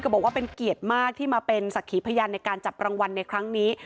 บอกว่าเป็นเกียรติมากที่มาเป็นสักขีพยานในการจับรางวัลในครั้งนี้